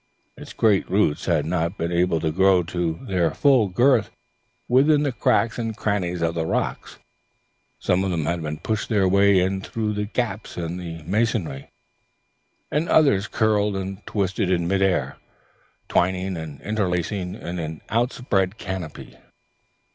Its great roots had not been able to grow to their full girth within the cracks and crannies of the rocks; some of them had pushed their way in through the gaps in the masonry, and the others curled and twisted in mid air, twining and interlacing in an outspread canopy.